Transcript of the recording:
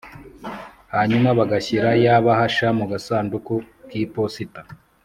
hanyuma bagashyira ya bahasha mu gasanduku kiposita